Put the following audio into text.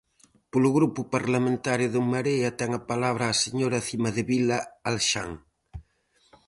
Polo Grupo Parlamentario de En Marea, ten a palabra a señora Cimadevila Alxán.